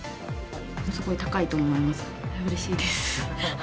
すごい高いと思います。